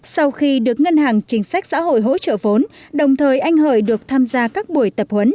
sau khi được ngân hàng chính sách xã hội hỗ trợ vốn đồng thời anh hợi được tham gia các buổi tập huấn